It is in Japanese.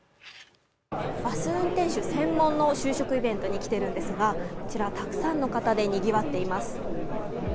バス運転手専門の就職イベントに来ているんですが、こちら、たくさんの方でにぎわっています。